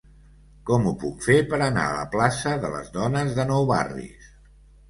Com ho puc fer per anar a la plaça de Les Dones de Nou Barris?